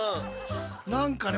何かね